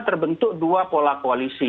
terbentuk dua pola koalisi